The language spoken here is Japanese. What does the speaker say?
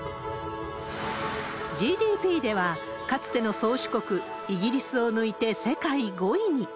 ＧＤＰでは、かつての宗主国、イギリスを抜いて世界５位に。